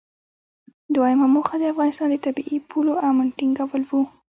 دویمه موخه د افغانستان د طبیعي پولو امن ټینګول و.